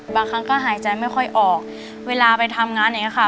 บางครั้งก็หายใจไม่ค่อยออกเวลาไปทำงานอย่างนี้ค่ะ